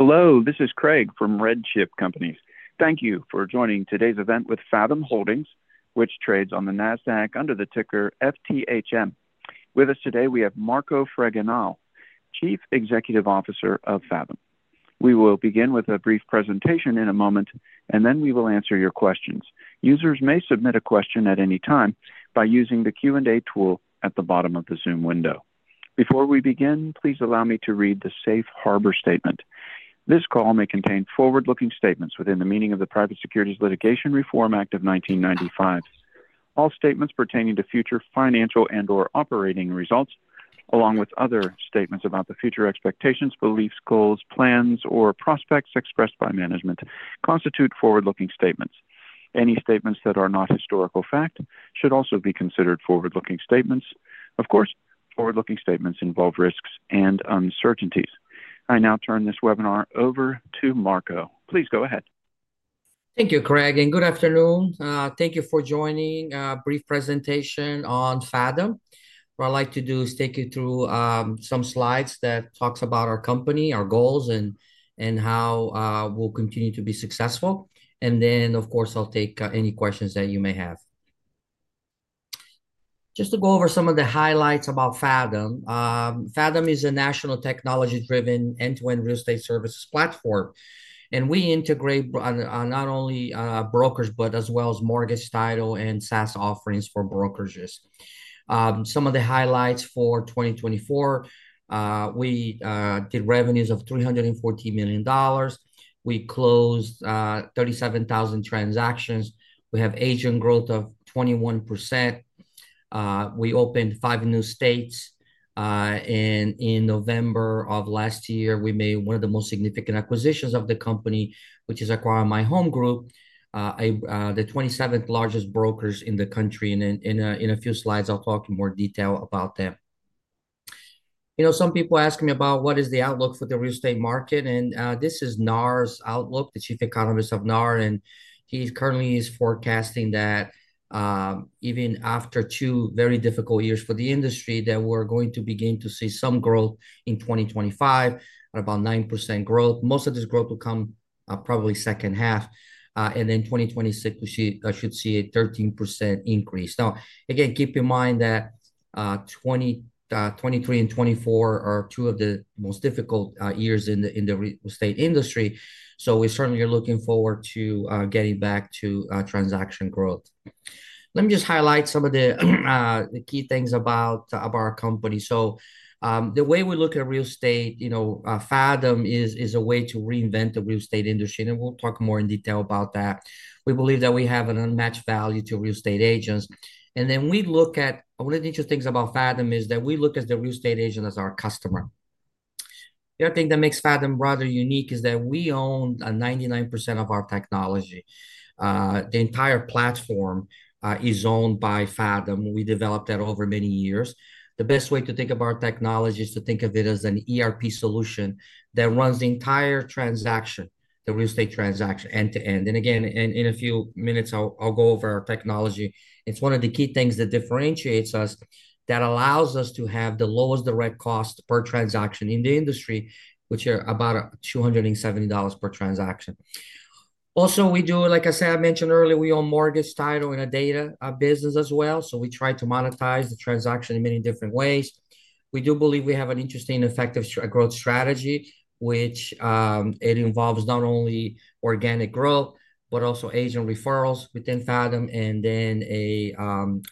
Hello, this is Craig from RedChip Companies. Thank you for joining today's event with Fathom Holdings, which trades on the Nasdaq under the ticker FTHM. With us today, we have Marco Fregenal, Chief Executive Officer of Fathom. We will begin with a brief presentation in a moment, and then we will answer your questions. Users may submit a question at any time by using the Q&A tool at the bottom of the Zoom window. Before we begin, please allow me to read the safe harbor statement. This call may contain forward-looking statements within the meaning of the Private Securities Litigation Reform Act of 1995. All statements pertaining to future financial and/or operating results, along with other statements about the future expectations, beliefs, goals, plans, or prospects expressed by management, constitute forward-looking statements. Any statements that are not historical fact should also be considered forward-looking statements. Of course, forward-looking statements involve risks and uncertainties. I now turn this webinar over to Marco. Please go ahead. Thank you, Craig, and good afternoon. Thank you for joining a brief presentation on Fathom. What I'd like to do is take you through some slides that talk about our company, our goals, and how we'll continue to be successful. Of course, I'll take any questions that you may have. Just to go over some of the highlights about Fathom. Fathom is a national technology-driven end-to-end real estate services platform, and we integrate not only brokers but as well as mortgage, title, and SaaS offerings for brokerages. Some of the highlights for 2024: we did revenues of $340 million. We closed 37,000 transactions. We have agent growth of 21%. We opened five new states. In November of last year, we made one of the most significant acquisitions of the company, which is acquire My Home Group, the 27th largest brokers in the country. In a few slides, I'll talk in more detail about them. Some people ask me about what is the outlook for the real estate market, and this is NAR's outlook, the Chief Economist of NAR. He currently is forecasting that even after two very difficult years for the industry, that we're going to begin to see some growth in 2025 at about 9% growth. Most of this growth will come probably second half. In 2026, we should see a 13% increase. Now, again, keep in mind that 2023 and 2024 are two of the most difficult years in the real estate industry. We certainly are looking forward to getting back to transaction growth. Let me just highlight some of the key things about our company. The way we look at real estate, Fathom is a way to reinvent the real estate industry, and we'll talk more in detail about that. We believe that we have an unmatched value to real estate agents. Then we look at one of the interesting things about Fathom is that we look at the real estate agent as our customer. The other thing that makes Fathom rather unique is that we own 99% of our technology. The entire platform is owned by Fathom. We developed that over many years. The best way to think about our technology is to think of it as an ERP solution that runs the entire transaction, the real estate transaction, end to end. Again, in a few minutes, I'll go over our technology. It's one of the key things that differentiates us that allows us to have the lowest direct cost per transaction in the industry, which are about $270 per transaction. Also, we do, like I said, I mentioned earlier, we own mortgage title and a data business as well. We try to monetize the transaction in many different ways. We do believe we have an interesting and effective growth strategy, which involves not only organic growth but also agent referrals within Fathom and then a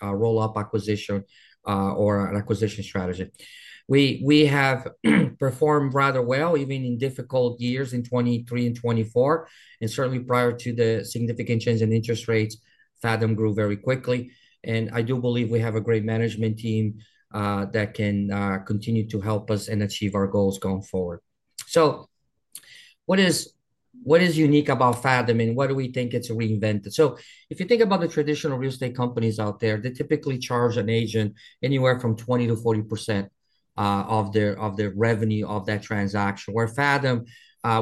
roll-up acquisition or an acquisition strategy. We have performed rather well even in difficult years in 2023 and 2024. Certainly prior to the significant change in interest rates, Fathom grew very quickly. I do believe we have a great management team that can continue to help us and achieve our goals going forward. What is unique about Fathom and why do we think it's reinvented? If you think about the traditional real estate companies out there, they typically charge an agent anywhere from 20% to 40% of the revenue of that transaction. Where Fathom,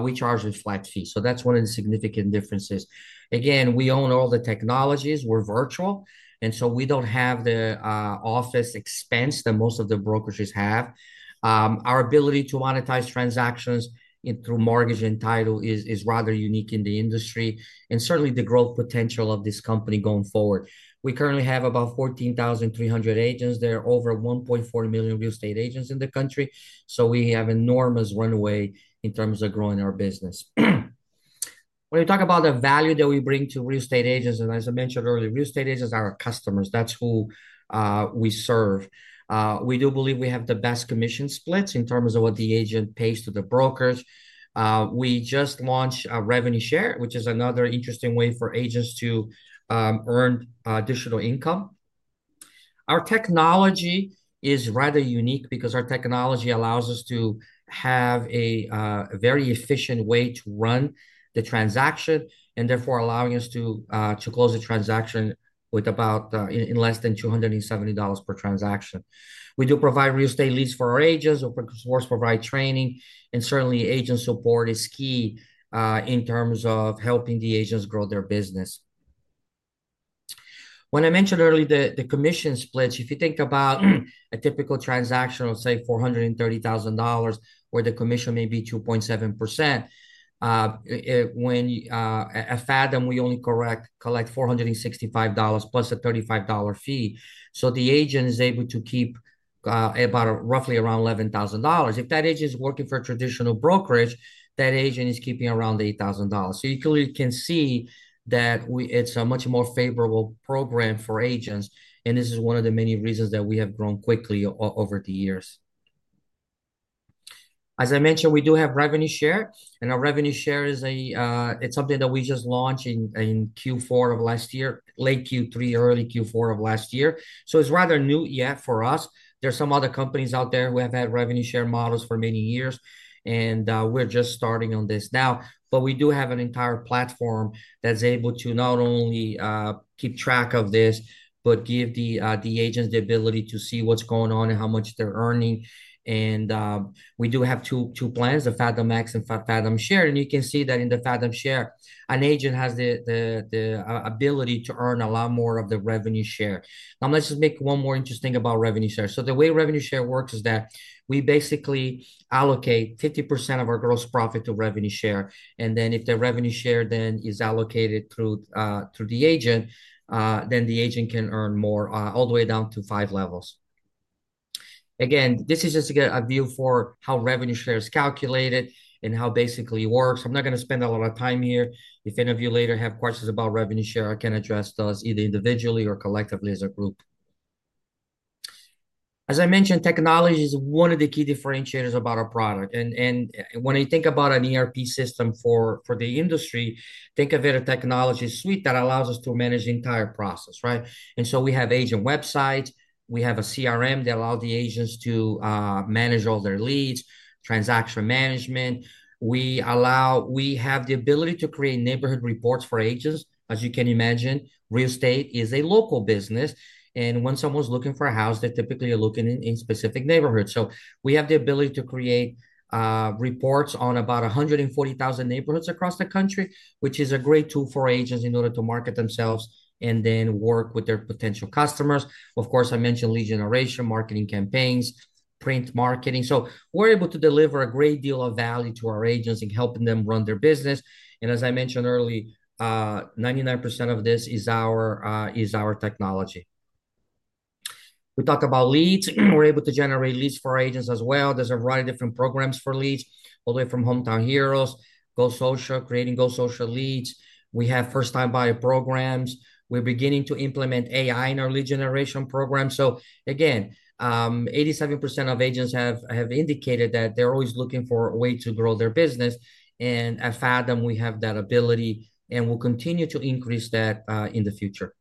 we charge a flat fee. That is one of the significant differences. Again, we own all the technologies. We are virtual, so we do not have the office expense that most of the brokerages have. Our ability to monetize transactions through mortgage and title is rather unique in the industry and certainly the growth potential of this company going forward. We currently have about 14,300 agents. There are over 1.4 million real estate agents in the country. We have enormous runway in terms of growing our business. When we talk about the value that we bring to real estate agents, and as I mentioned earlier, real estate agents are our customers. That's who we serve. We do believe we have the best commission splits in terms of what the agent pays to the brokers. We just launched a revenue share, which is another interesting way for agents to earn additional income. Our technology is rather unique because our technology allows us to have a very efficient way to run the transaction and therefore allowing us to close the transaction with about less than $270 per transaction. We do provide real estate leads for our agents. Of course, we provide training, and certainly agent support is key in terms of helping the agents grow their business. When I mentioned earlier the commission splits, if you think about a typical transaction of, say, $430,000, where the commission may be 2.7%, at Fathom, we only collect $465 plus a $35 fee. So the agent is able to keep about roughly around $11,000. If that agent is working for a traditional brokerage, that agent is keeping around $8,000. You clearly can see that it's a much more favorable program for agents. This is one of the many reasons that we have grown quickly over the years. As I mentioned, we do have revenue share. Our revenue share is something that we just launched in Q4 of last year, late Q3, early Q4 of last year. It's rather new yet for us. There are some other companies out there who have had revenue share models for many years, and we're just starting on this now. We do have an entire platform that's able to not only keep track of this but give the agents the ability to see what's going on and how much they're earning. We do have two plans, the Fathom Max and Fathom Share. You can see that in the Fathom Share, an agent has the ability to earn a lot more of the revenue share. Now, let's just make one more interesting thing about revenue share. The way revenue share works is that we basically allocate 50% of our gross profit to revenue share. If the revenue share then is allocated through the agent, then the agent can earn more all the way down to five levels. Again, this is just a view for how revenue share is calculated and how it basically works. I'm not going to spend a lot of time here. If any of you later have questions about revenue share, I can address those either individually or collectively as a group. As I mentioned, technology is one of the key differentiators about our product. When you think about an ERP system for the industry, think of it as a technology suite that allows us to manage the entire process, right? We have agent websites. We have a CRM that allows the agents to manage all their leads, transaction management. We have the ability to create neighborhood reports for agents. As you can imagine, real estate is a local business. When someone's looking for a house, they're typically looking in specific neighborhoods. We have the ability to create reports on about 140,000 neighborhoods across the country, which is a great tool for agents in order to market themselves and then work with their potential customers. Of course, I mentioned lead generation, marketing campaigns, print marketing. We are able to deliver a great deal of value to our agents in helping them run their business. As I mentioned earlier, 99% of this is our technology. We talk about leads. We are able to generate leads for our agents as well. There is a variety of different programs for leads, all the way from Hometown Heroes, Go Social, creating Go Social leads. We have first-time buyer programs. We are beginning to implement AI in our lead generation program. Again, 87% of agents have indicated that they are always looking for a way to grow their business. At Fathom, we have that ability, and we will continue to increase that in the future.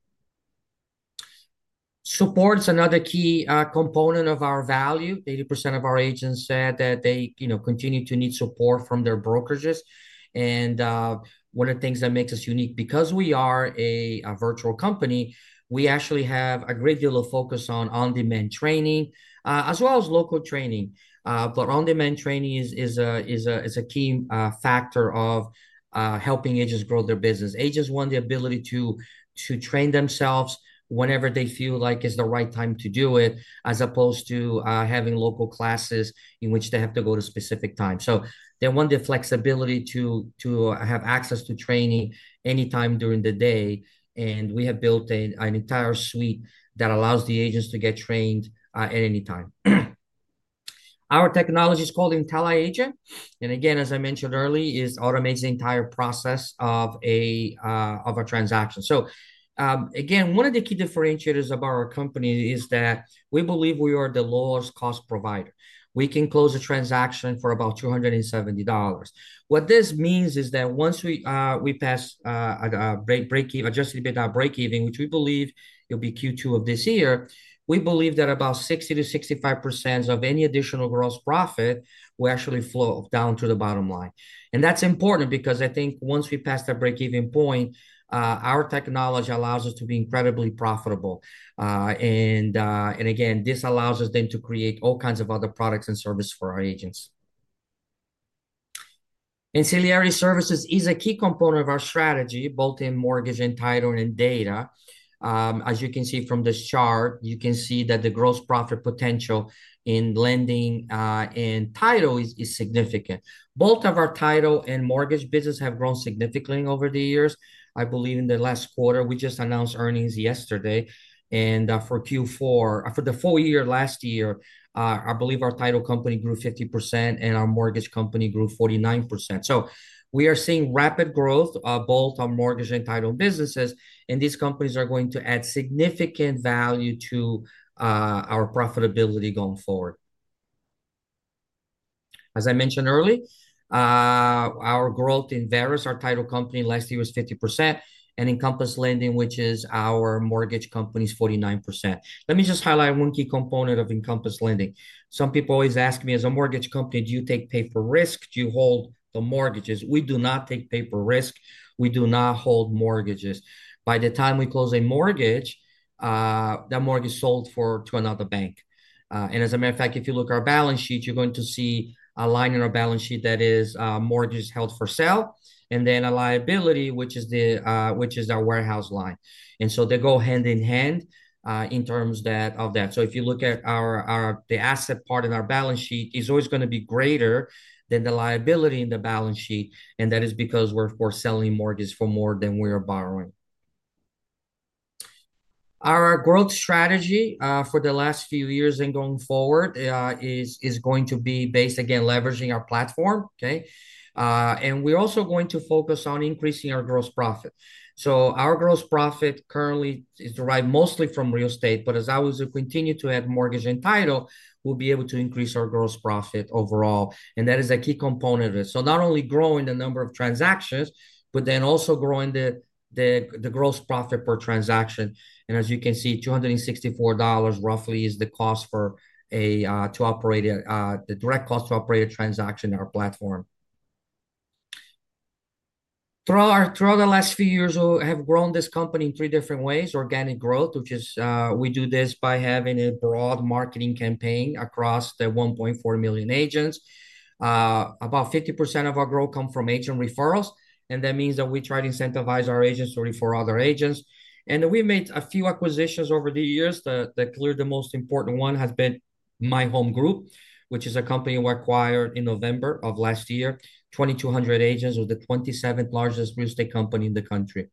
Support is another key component of our value. 80% of our agents said that they continue to need support from their brokerages. One of the things that makes us unique, because we are a virtual company, is we actually have a great deal of focus on on-demand training, as well as local training. On-demand training is a key factor of helping agents grow their business. Agents want the ability to train themselves whenever they feel like it's the right time to do it, as opposed to having local classes in which they have to go to a specific time. They want the flexibility to have access to training anytime during the day. We have built an entire suite that allows the agents to get trained at any time. Our technology is called intelliAgent. Again, as I mentioned earlier, it automates the entire process of a transaction. One of the key differentiators about our company is that we believe we are the lowest cost provider. We can close a transaction for about $270. What this means is that once we pass a break-even, adjusted EBITDA break-even, which we believe will be Q2 of this year, we believe that about 60 to 65% of any additional gross profit will actually flow down to the bottom line. That is important because I think once we pass that break-even point, our technology allows us to be incredibly profitable. This allows us then to create all kinds of other products and services for our agents. Ancillary services is a key component of our strategy, both in mortgage and title and data. As you can see from this chart, you can see that the gross profit potential in lending and title is significant. Both of our title and mortgage business have grown significantly over the years. I believe in the last quarter, we just announced earnings yesterday. For Q4, for the full year last year, I believe our title company grew 50% and our mortgage company grew 49%. We are seeing rapid growth of both our mortgage and title businesses. These companies are going to add significant value to our profitability going forward. As I mentioned earlier, our growth in Verus our title company last year was 50%, and Encompass Lending, which is our mortgage company, is 49%. Let me just highlight one key component of Encompass Lending. Some people always ask me, "As a mortgage company, do you take paper risk? Do you hold the mortgages?" We do not take paper risk. We do not hold mortgages. By the time we close a mortgage, that mortgage is sold to another bank. As a matter of fact, if you look at our balance sheet, you're going to see a line in our balance sheet that is mortgage held for sale, and then a liability, which is our warehouse line. They go hand in hand in terms of that. If you look at the asset part in our balance sheet, it's always going to be greater than the liability in the balance sheet. That is because we're, of course, selling mortgages for more than we are borrowing. Our growth strategy for the last few years and going forward is going to be based, again, leveraging our platform, okay? We're also going to focus on increasing our gross profit. Our gross profit currently is derived mostly from real estate. As I will continue to add mortgage and title, we will be able to increase our gross profit overall. That is a key component of it. Not only growing the number of transactions, but also growing the gross profit per transaction. As you can see, $264 roughly is the cost to operate, a direct cost to operate a transaction in our platform. Throughout the last few years, we have grown this company in three different ways: organic growth, which is we do this by having a broad marketing campaign across the 1.4 million agents. About 50% of our growth comes from agent referrals. That means we try to incentivize our agents to refer other agents. We made a few acquisitions over the years. The clear, the most important one has been My Home Group, which is a company we acquired in November of last year, 2,200 agents of the 27th largest real estate company in the country.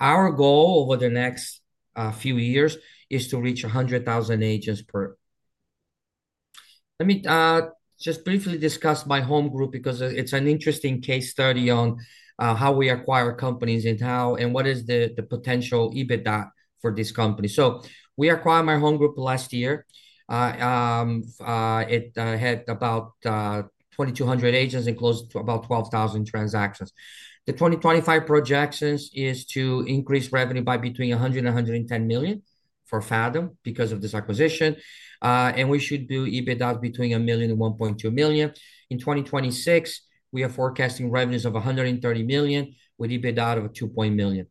Our goal over the next few years is to reach 100,000 agents per. Let me just briefly discuss My Home Group because it's an interesting case study on how we acquire companies and what is the potential EBITDA for this company. So we acquired My Home Group last year. It had about 2,200 agents and closed about 12,000 transactions. The 2025 projection is to increase revenue by between $100 million and $110 million for Fathom because of this acquisition. We should do EBITDA between $1 million and $1.2 million. In 2026, we are forecasting revenues of $130 million with EBITDA of $2.1 million.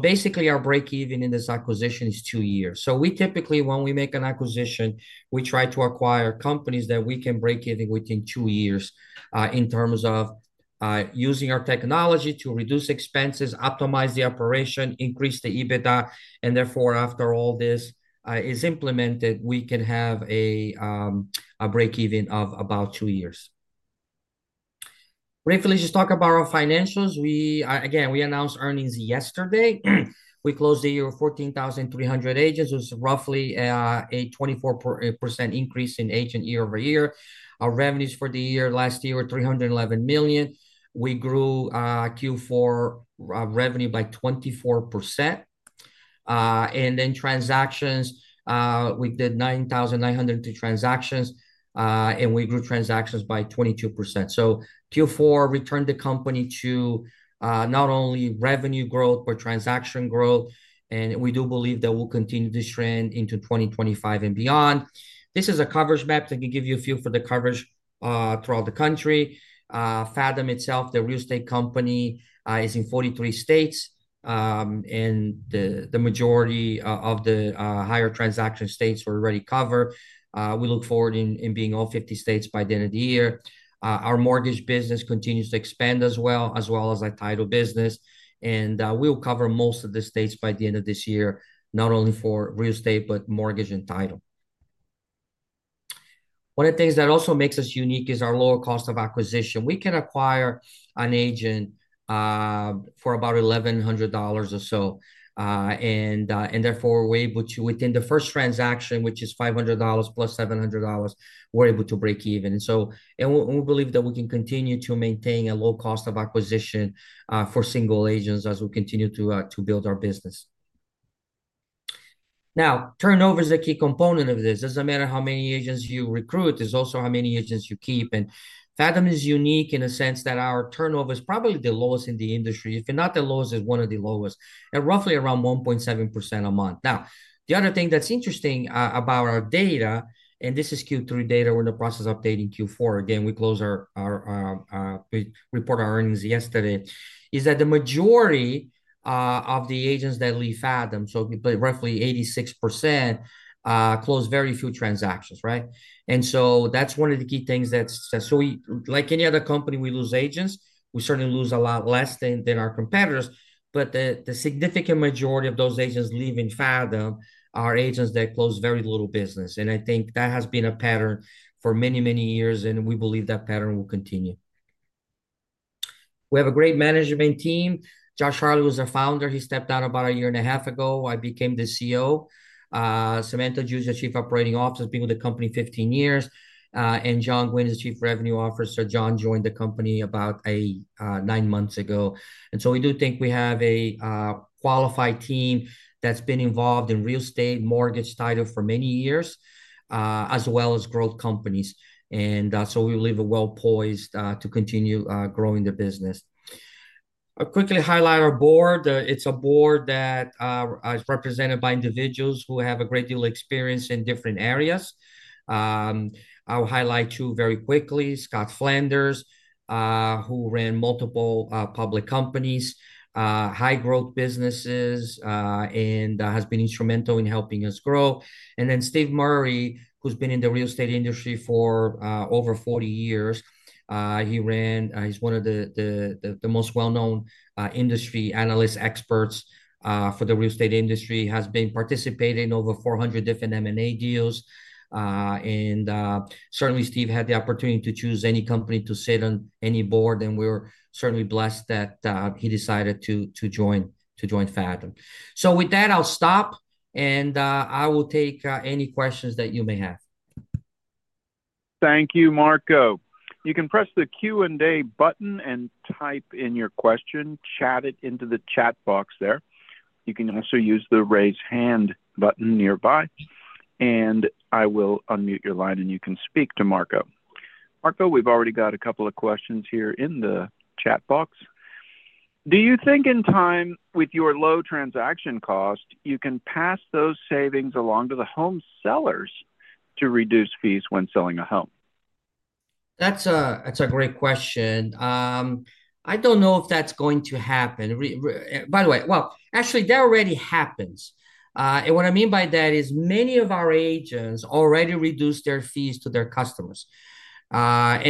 Basically, our break-even in this acquisition is two years. We typically, when we make an acquisition, try to acquire companies that we can break even within two years in terms of using our technology to reduce expenses, optimize the operation, increase the EBITDA. Therefore, after all this is implemented, we can have a break-even of about two years. Briefly, let's just talk about our financials. Again, we announced earnings yesterday. We closed the year with 14,300 agents. It was roughly a 24% increase in agent year over year. Our revenues for the year last year were $311 million. We grew Q4 revenue by 24%. Transactions, we did 9,902 transactions, and we grew transactions by 22%. Q4 returned the company to not only revenue growth but transaction growth. We do believe that we'll continue this trend into 2025 and beyond. This is a coverage map that can give you a feel for the coverage throughout the country. Fathom itself, the real estate company, is in 43 states. The majority of the higher transaction states are already covered. We look forward to being in all 50 states by the end of the year. Our mortgage business continues to expand as well, as well as our title business. We will cover most of the states by the end of this year, not only for real estate but mortgage and title. One of the things that also makes us unique is our lower cost of acquisition. We can acquire an agent for about $1,100 or so. Therefore, we are able to, within the first transaction, which is $500 plus $700, we are able to break even. We believe that we can continue to maintain a low cost of acquisition for single agents as we continue to build our business. Now, turnover is a key component of this. It does not matter how many agents you recruit. It is also how many agents you keep. Fathom is unique in a sense that our turnover is probably the lowest in the industry. If not the lowest, it is one of the lowest, and roughly around 1.7% a month. The other thing that is interesting about our data, and this is Q3 data, we are in the process of updating Q4. Again, we closed our report on earnings yesterday, is that the majority of the agents that leave Fathom, so roughly 86%, close very few transactions, right? That is one of the key things that is so like any other company, we lose agents. We certainly lose a lot less than our competitors. The significant majority of those agents leaving Fathom are agents that close very little business. I think that has been a pattern for many, many years. We believe that pattern will continue. We have a great management team. Josh Harley was a founder. He stepped down about a year and a half ago. I became the CEO. Samantha Giuggio is the Chief Operating Officer. I have been with the company 15 years. Jon Gwin is the Chief Revenue Officer. Jon joined the company about nine months ago. We do think we have a qualified team that has been involved in real estate, mortgage, title for many years, as well as growth companies. We believe we are well poised to continue growing the business. I'll quickly highlight our board. It's a board that is represented by individuals who have a great deal of experience in different areas. I'll highlight two very quickly: Scott Flanders, who ran multiple public companies, high-growth businesses, and has been instrumental in helping us grow. Steve Murray, who's been in the real estate industry for over 40 years. He's one of the most well-known industry analysts, experts for the real estate industry. He has been participating in over 400 different M&A deals. Certainly, Steve had the opportunity to choose any company to sit on any board. We're certainly blessed that he decided to join Fathom. With that, I'll stop. I will take any questions that you may have. Thank you, Marco. You can press the Q&A button and type in your question. Chat it into the chat box there. You can also use the raise hand button nearby. I will unmute your line, and you can speak to Marco. Marco, we've already got a couple of questions here in the chat box. Do you think in time, with your low transaction cost, you can pass those savings along to the home sellers to reduce fees when selling a home? That's a great question. I don't know if that's going to happen. By the way, actually, that already happens. What I mean by that is many of our agents already reduce their fees to their customers. What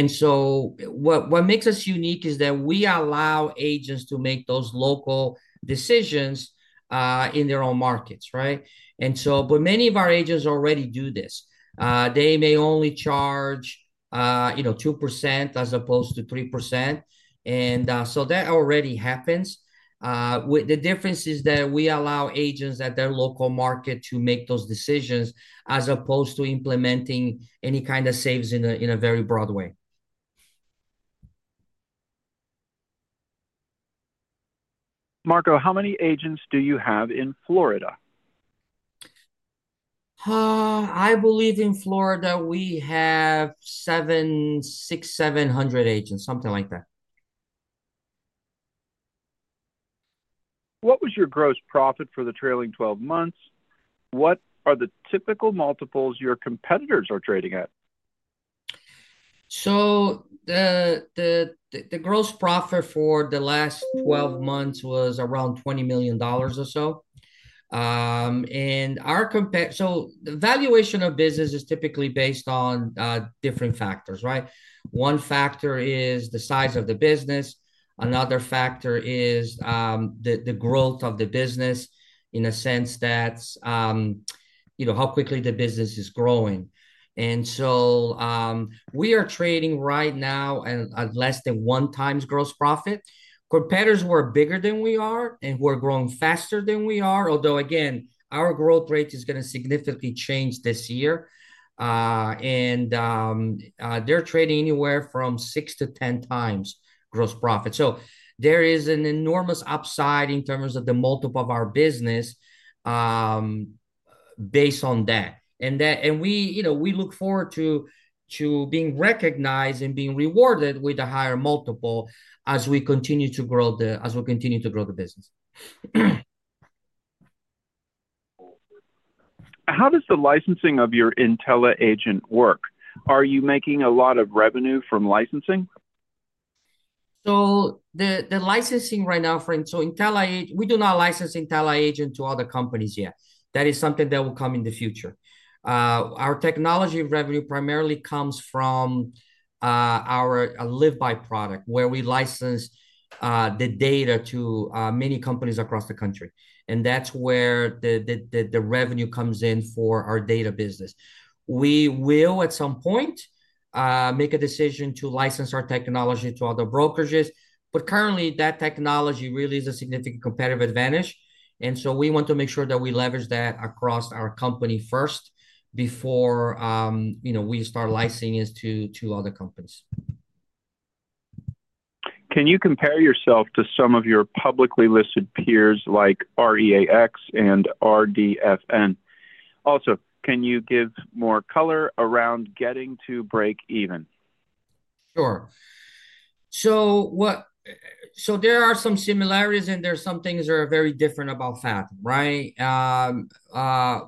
makes us unique is that we allow agents to make those local decisions in their own markets, right? Many of our agents already do this. They may only charge 2% as opposed to 3%. That already happens. The difference is that we allow agents at their local market to make those decisions as opposed to implementing any kind of saves in a very broad way. Marco, how many agents do you have in Florida? I believe in Florida, we have 600, 700 agents, something like that. What was your gross profit for the trailing 12 months? What are the typical multiples your competitors are trading at? The gross profit for the last 12 months was around $20 million or so. The valuation of business is typically based on different factors, right? One factor is the size of the business. Another factor is the growth of the business in a sense that's how quickly the business is growing. We are trading right now at less than one time's gross profit. Competitors were bigger than we are, and we're growing faster than we are. Although, again, our growth rate is going to significantly change this year. They are trading anywhere from 6x to 10x gross profit. There is an enormous upside in terms of the multiple of our business based on that. We look forward to being recognized and being rewarded with a higher multiple as we continue to grow the business. How does the licensing of your intelliAgent work? Are you making a lot of revenue from licensing? The licensing right now, friend, so intelliAgent, we do not license intelliAgent to other companies yet. That is something that will come in the future. Our technology revenue primarily comes from our LiveBy product, where we license the data to many companies across the country. That is where the revenue comes in for our data business. We will, at some point, make a decision to license our technology to other brokerages. Currently, that technology really is a significant competitive advantage. We want to make sure that we leverage that across our company first before we start licensing it to other companies. Can you compare yourself to some of your publicly listed peers like REAX and RDFN? Also, can you give more color around getting to break even? Sure. There are some similarities, and there are some things that are very different about Fathom, right?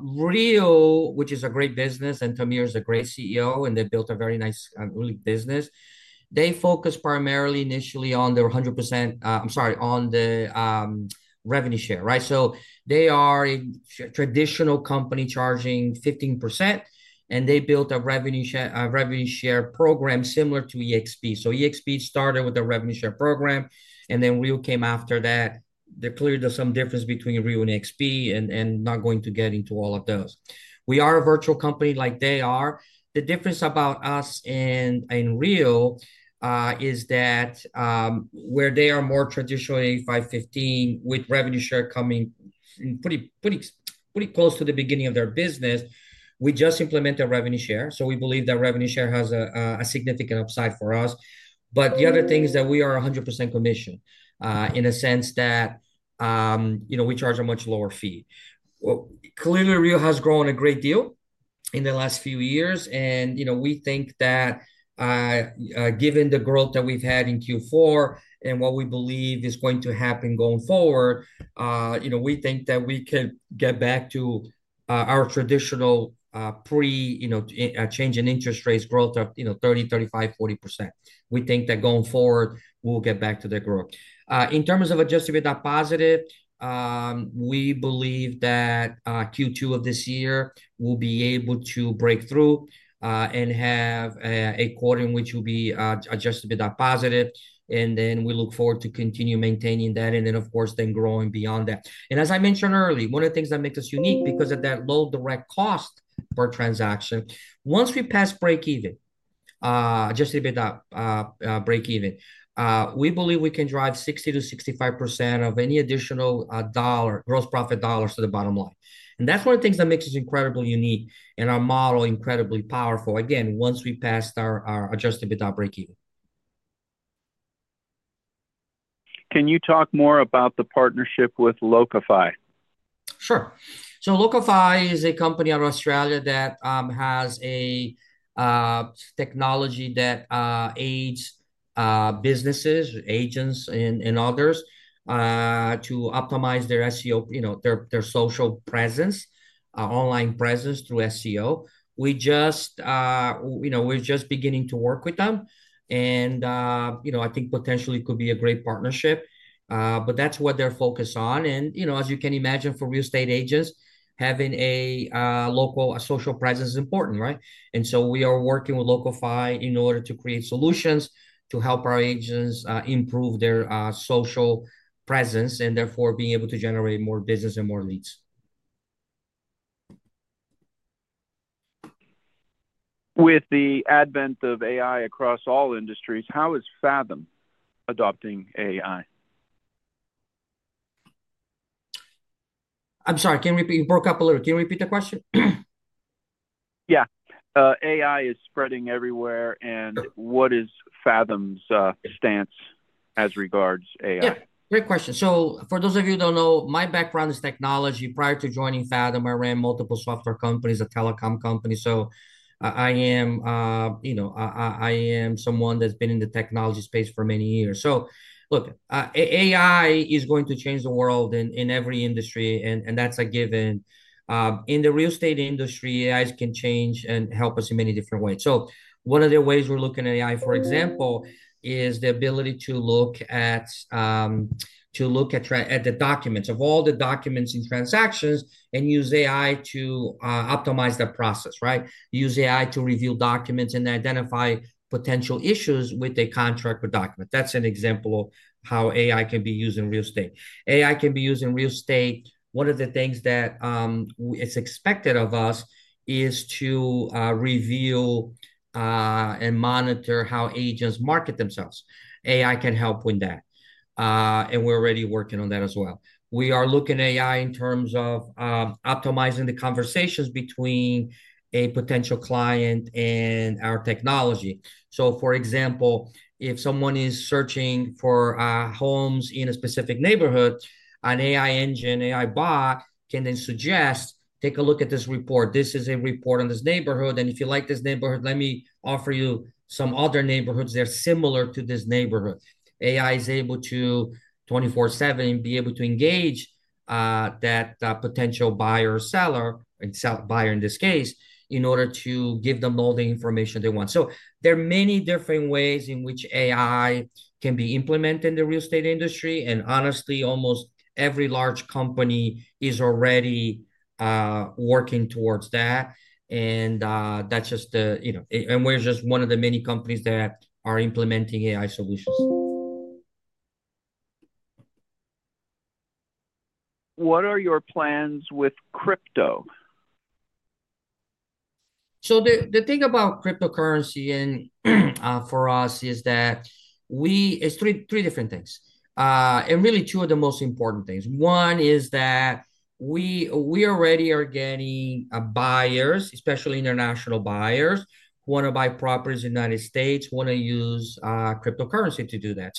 Real, which is a great business, and Tamir is a great CEO, and they built a very nice business. They focus primarily initially on their 100%—I'm sorry, on the revenue share, right? They are a traditional company charging 15%. They built a revenue share program similar to eXp. eXp started with a revenue share program. Then Real came after that. Clearly, there is some difference between Real and eXp, and I am not going to get into all of those. We are a virtual company like they are. The difference about us and Real is that where they are more traditionally 515 with revenue share coming pretty close to the beginning of their business, we just implemented revenue share. We believe that revenue share has a significant upside for us. The other thing is that we are 100% commission in a sense that we charge a much lower fee. Clearly, Real has grown a great deal in the last few years. We think that given the growth that we've had in Q4 and what we believe is going to happen going forward, we think that we could get back to our traditional pre-change in interest rates growth of 30% to 35% to 40%. We think that going forward, we'll get back to that growth. In terms of adjusted EBITDA positive, we believe that Q2 of this year we'll be able to break through and have a quarter in which we'll be adjusted EBITDA positive. We look forward to continue maintaining that, and of course, growing beyond that. As I mentioned earlier, one of the things that makes us unique because of that low direct cost per transaction, once we pass break even, adjusted with a break even, we believe we can drive 60 to 65% of any additional gross profit dollars to the bottom line. That is one of the things that makes us incredibly unique and our model incredibly powerful, again, once we pass our adjusted with a break even. Can you talk more about the partnership with Locafy? Sure. Locafy is a company out of Australia that has a technology that aids businesses, agents, and others to optimize their SEO, their social presence, online presence through SEO. We are just beginning to work with them. I think potentially it could be a great partnership. That is what they are focused on. As you can imagine, for real estate agents, having a local social presence is important, right? We are working with Locafy in order to create solutions to help our agents improve their social presence and therefore be able to generate more business and more leads. With the advent of AI across all industries, how is Fathom adopting AI? I'm sorry. You broke up a little. Can you repeat the question? Yeah. AI is spreading everywhere. What is Fathom's stance as regards AI? Great question. For those of you who do not know, my background is technology. Prior to joining Fathom, I ran multiple software companies, a telecom company. I am someone that's been in the technology space for many years. Look, AI is going to change the world in every industry. That's a given. In the real estate industry, AI can change and help us in many different ways. One of the ways we're looking at AI, for example, is the ability to look at the documents, of all the documents and transactions, and use AI to optimize the process, right? Use AI to review documents and identify potential issues with a contract or document. That's an example of how AI can be used in real estate. AI can be used in real estate. One of the things that is expected of us is to review and monitor how agents market themselves. AI can help with that. We're already working on that as well. We are looking at AI in terms of optimizing the conversations between a potential client and our technology. For example, if someone is searching for homes in a specific neighborhood, an AI engine, AI bot can then suggest, "Take a look at this report. This is a report on this neighborhood. And if you like this neighborhood, let me offer you some other neighborhoods that are similar to this neighborhood." AI is able to, 24/7, be able to engage that potential buyer or seller, buyer in this case, in order to give them all the information they want. There are many different ways in which AI can be implemented in the real estate industry. Honestly, almost every large company is already working towards that. That is just the and we are just one of the many companies that are implementing AI solutions. What are your plans with crypto? The thing about cryptocurrency for us is that it is three different things. Really, two of the most important things. One is that we already are getting buyers, especially international buyers, who want to buy properties in the United States, who want to use cryptocurrency to do that.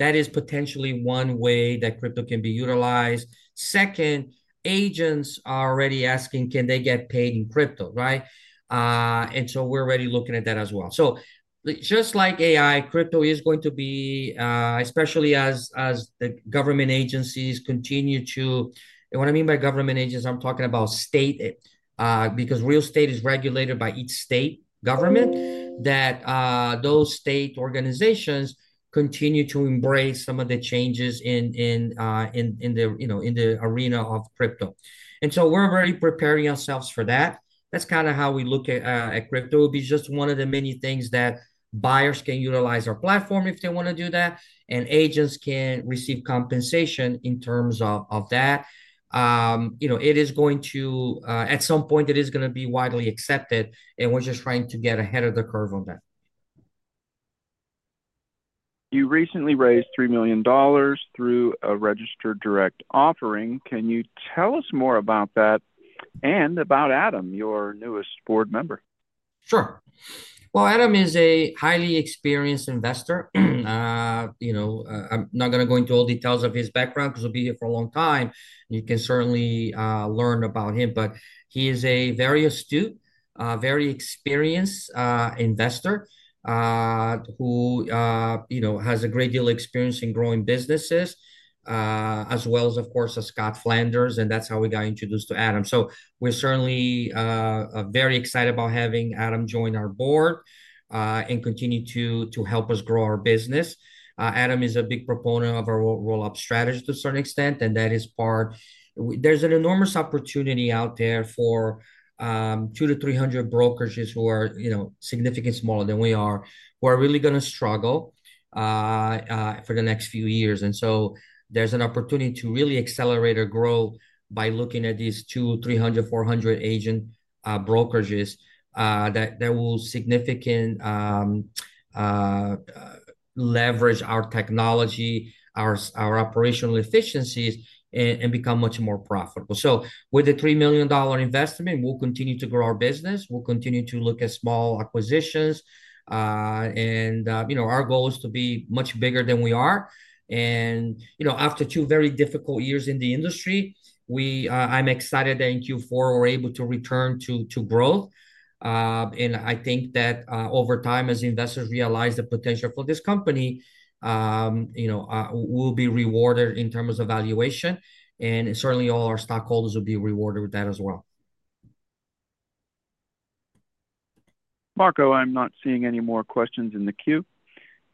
That is potentially one way that crypto can be utilized. Second, agents are already asking, "Can they get paid in crypto?" Right? We are already looking at that as well. Just like AI, crypto is going to be, especially as the government agencies continue to—what I mean by government agents, I am talking about state because real estate is regulated by each state government—that those state organizations continue to embrace some of the changes in the arena of crypto. We are already preparing ourselves for that. That is kind of how we look at crypto. It'll be just one of the many things that buyers can utilize our platform if they want to do that. And agents can receive compensation in terms of that. It is going to, at some point, it is going to be widely accepted. We're just trying to get ahead of the curve on that. You recently raised $3 million through a registered direct offering. Can you tell us more about that and about Adam, your newest board member? Sure. Adam is a highly experienced investor. I'm not going to go into all details of his background because he'll be here for a long time. You can certainly learn about him. He is a very astute, very experienced investor who has a great deal of experience in growing businesses, as well as, of course, Scott Flanders. That's how we got introduced to Adam. We are certainly very excited about having Adam join our board and continue to help us grow our business. Adam is a big proponent of our roll-up strategy to a certain extent. That is part—there is an enormous opportunity out there for 200 to 300 brokerages who are significantly smaller than we are, who are really going to struggle for the next few years. There is an opportunity to really accelerate our growth by looking at these 200, 300, 400 agent brokerages that will significantly leverage our technology, our operational efficiencies, and become much more profitable. With the $3 million investment, we will continue to grow our business. We will continue to look at small acquisitions. Our goal is to be much bigger than we are. After two very difficult years in the industry, I am excited that in Q4 we are able to return to growth. I think that over time, as investors realize the potential for this company, we'll be rewarded in terms of valuation. Certainly, all our stockholders will be rewarded with that as well. Marco, I'm not seeing any more questions in the queue.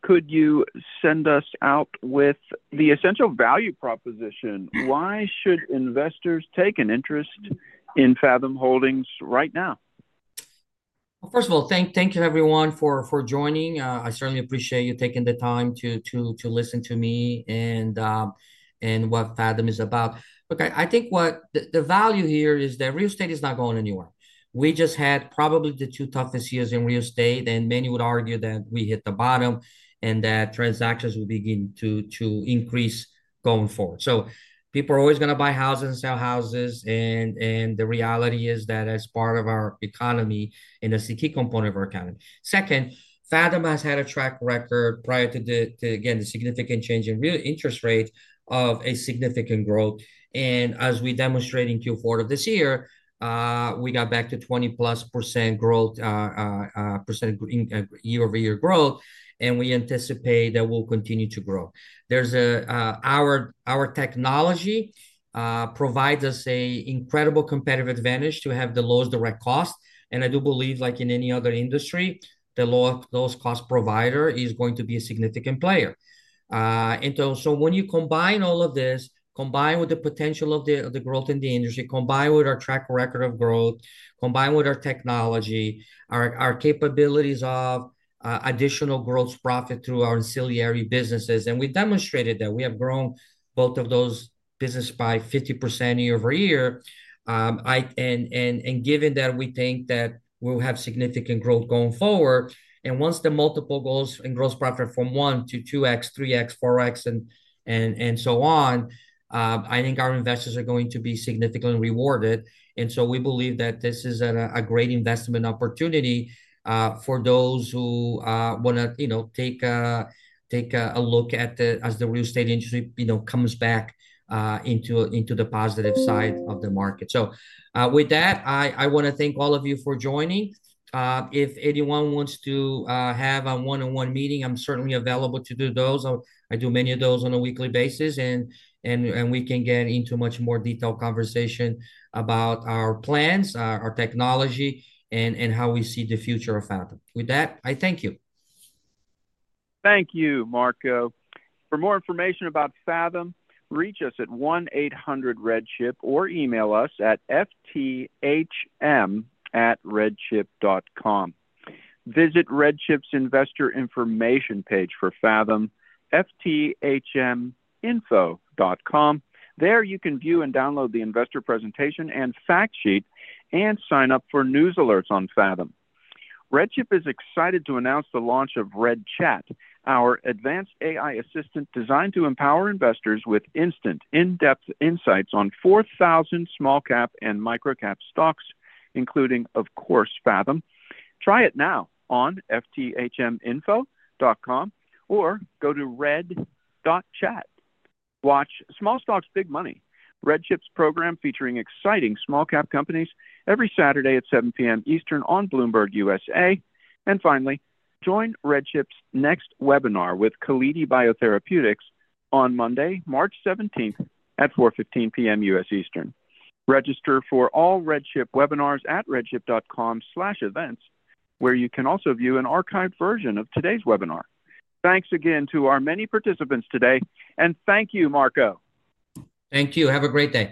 Could you send us out with the essential value proposition? Why should investors take an interest in Fathom Holdings right now? First of all, thank you, everyone, for joining. I certainly appreciate you taking the time to listen to me and what Fathom is about. Look, I think the value here is that real estate is not going anywhere. We just had probably the two toughest years in real estate. Many would argue that we hit the bottom and that transactions will begin to increase going forward. People are always going to buy houses and sell houses. The reality is that it's part of our economy and a key component of our economy. Second, Fathom has had a track record prior to, again, the significant change in real interest rate of significant growth. As we demonstrated in Q4 of this year, we got back to 20+% growth, percent year-over-year growth. We anticipate that we'll continue to grow. Our technology provides us an incredible competitive advantage to have the lowest direct cost. I do believe, like in any other industry, the lowest cost provider is going to be a significant player. When you combine all of this, combined with the potential of the growth in the industry, combined with our track record of growth, combined with our technology, our capabilities of additional gross profit through our ancillary businesses. We demonstrated that we have grown both of those businesses by 50% year-over-year. Given that, we think that we'll have significant growth going forward. Once the multiple goes and gross profit from 1x to 2x, 3x, 4x, and so on, I think our investors are going to be significantly rewarded. We believe that this is a great investment opportunity for those who want to take a look at the real estate industry as it comes back into the positive side of the market. With that, I want to thank all of you for joining. If anyone wants to have a one-on-one meeting, I'm certainly available to do those. I do many of those on a weekly basis. We can get into a much more detailed conversation about our plans, our technology, and how we see the future of Fathom. With that, I thank you. Thank you, Marco. For more information about Fathom, reach us at 1-800-REDCHIP or email us at fthm@redchip.com. Visit RedChip's investor information page for Fathom, fthminfo.com. There you can view and download the investor presentation and fact sheet and sign up for news alerts on Fathom. RedChip is excited to announce the launch of RedChat, our advanced AI assistant designed to empower investors with instant, in-depth insights on 4,000 small-cap and micro-cap stocks, including, of course, Fathom. Try it now on fthminfo.com or go to red.chat. Watch Small Stocks, Big Money, RedChip's program featuring exciting small-cap companies every Saturday at 7:00 P.M. Eastern on Bloomberg USA. Finally, join RedChip's next webinar with Kalidi Biotherapeutics on Monday, March 17th at 4:15 P.M. U.S. Eastern. Register for all RedChip webinars at redchip.com/events, where you can also view an archived version of today's webinar. Thanks again to our many participants today. Thank you, Marco. Thank you. Have a great day.